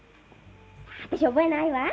私覚えないわ。